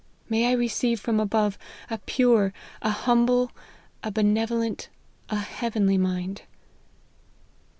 May I receive from above a pure, a humble, a benevolent, a heavenly mind